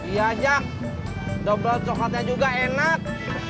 iya jak doblot sokatnya juga enak